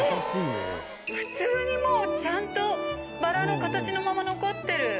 普通にもうちゃんとバラの形のまま残ってる。